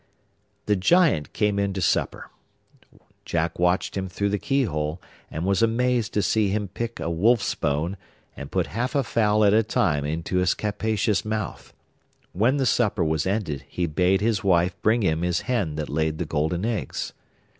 The Giant came in to supper. Jack watched him through the keyhole, and was amazed to see him pick a wolf's bone, and put half a fowl at a time into his capacious mouth. When the supper was ended he bade his wife bring him his hen that laid the golden eggs.